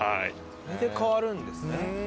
それで変わるんですね。